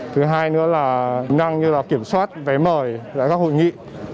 thứ hai nữa là tính năng như là kiểm soát vé mời lại các hội nghị